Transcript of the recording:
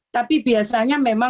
tapi biasanya memang